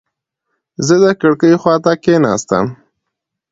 زه د کړکۍ خواته کېناستم.